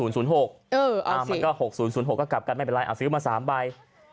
มันก็๖๐๐๖ก็กลับกันไม่เป็นไรซื้อมา๓ใบ